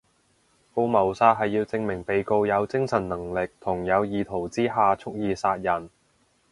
告謀殺係要證明被告有精神能力同有意圖之下蓄意殺人